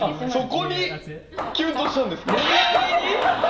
そこにキュンとしたんですか⁉そう。